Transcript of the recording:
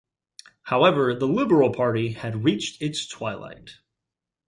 However, the Liberal Party had reached its twilight.